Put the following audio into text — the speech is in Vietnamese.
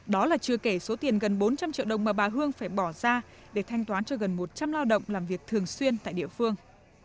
đó là chưa kể số tiền gần bốn trăm linh triệu đồng mà bà hương phải bỏ ra để thanh toán cho gần một trăm linh lao động làm việc thường xuyên tại địa phương